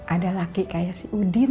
ada laki kayak si udin